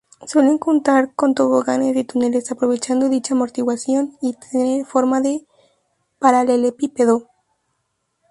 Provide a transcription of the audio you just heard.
Suelen contar con toboganes y túneles —aprovechando dicha amortiguación— y tener forma de paralelepípedo.